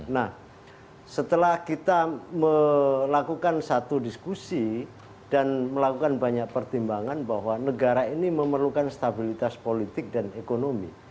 nah setelah kita melakukan satu diskusi dan melakukan banyak pertimbangan bahwa negara ini memerlukan stabilitas politik dan ekonomi